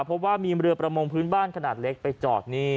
เพราะว่ามีเรือประมงพื้นบ้านขนาดเล็กไปจอดนี่